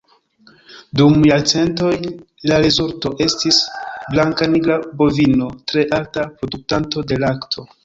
Dum jarcentoj, la rezulto estis blankanigra bovino tre alta produktanto de lakto.